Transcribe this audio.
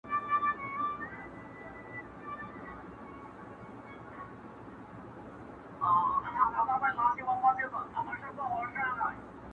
هغه څوک چي بوټونه پاکوي روغ اوسي؟!